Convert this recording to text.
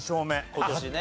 今年ね。